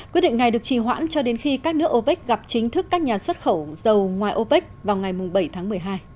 quyết định này được trì hoãn cho đến khi các nước opec gặp chính thức các nhà xuất khẩu dầu ngoài opec vào ngày bảy tháng một mươi hai